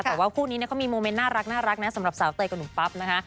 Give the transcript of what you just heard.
แต่ว่าคู่นี้เขามีโมเมนต์น่ารักนะสำหรับสาวเตยกับหนุ่มปั๊บนะคะ